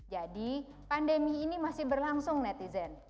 jadi pandemi ini masih berlangsung netizen